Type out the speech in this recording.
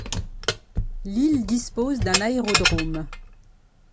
L'île dispose d'un aérodrome.